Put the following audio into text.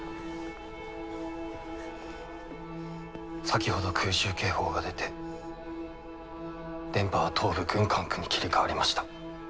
先ほど空襲警報が出て電波は東部軍管区に切り替わりました。